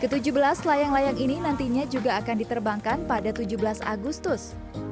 ke tujuh belas layang layang ini nantinya juga akan diterbangkan pada tujuh belas agustus